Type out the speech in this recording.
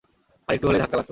আর একটু হলেই ধাক্কা লাগত।